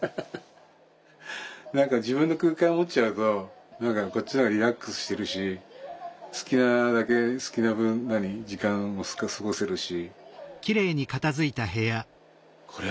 何か自分の空間を持っちゃうとこっちのほうがリラックスしてるし好きなだけ好きな分時間を過ごせるし。